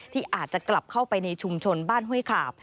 ที่อาจจะกลับเข้าไปในชุมชนบ้านห้วยขาบ